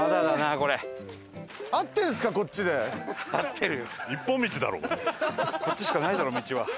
こっちしかないだろ道は。